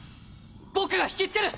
僕が引き付ける！